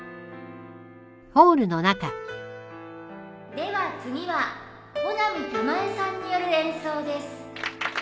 では次は穂波たまえさんによる演奏です。